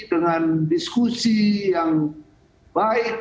dengan diskusi yang baik